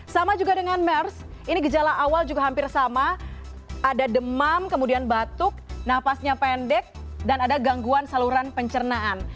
sama juga dengan mers ini gejala awal juga hampir sama ada demam kemudian batuk nafasnya pendek dan ada gangguan saluran pencernaan